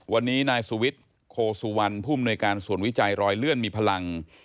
วันนี้นายสุวิทย์โคสุวรรณภูมิหน่วยการส่วนวิจัยรอยเลื่อนมีพลัง